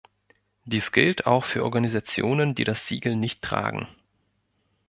Dies gilt auch für Organisationen, die das Siegel nicht tragen.